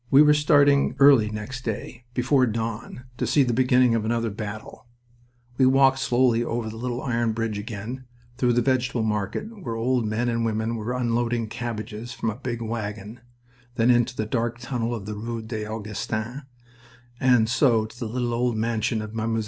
We were starting early next day before dawn to see the beginning of another battle. We walked slowly over the little iron bridge again, through the vegetable market, where old men and women were unloading cabbages from a big wagon, then into the dark tunnel of the rue des Augustins, and so to the little old mansion of Mme.